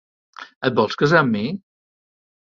Et vols casar amb mi?